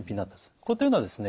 こういったようなですね